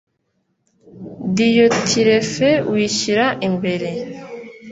diyotirefe wishyira imbere